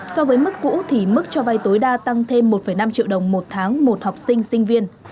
so với mức cũ thì mức cho vay tối đa tăng thêm một năm triệu đồng một tháng một học sinh sinh viên